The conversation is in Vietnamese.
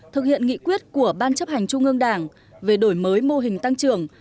thực hiện nghị quyết của ban chấp hành trung ương đảng về đổi mới mô hình tăng trưởng